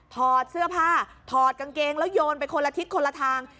ถอดเสื้อผ้าถอดกางเกงแล้วโยนไปคนละทิศคนละทาง